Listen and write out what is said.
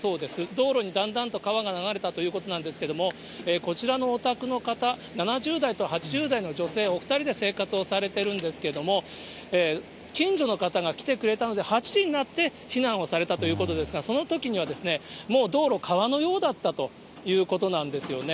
道路にだんだんと川が流れたということなんですけれども、こちらのお宅の方、７０代と８０代の女性、お２人で生活をされてるんですけれども、近所の方が来てくれたので、８時になって避難をされたということですが、そのときには、もう道路、川のようだったということなんですよね。